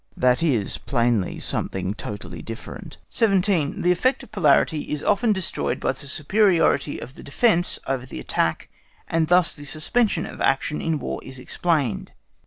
That is plainly something totally different. 17. THE EFFECT OF POLARITY IS OFTEN DESTROYED BY THE SUPERIORITY OF THE DEFENCE OVER THE ATTACK, AND THUS THE SUSPENSION OF ACTION IN WAR IS EXPLAINED.